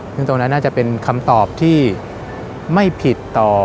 ซึ่งตรงนั้นน่าจะเป็นคำตอบที่ไม่ผิดต่อ